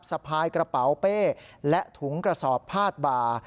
สะพายกระเป๋าเป้และถุงกระสอบพาดบ่า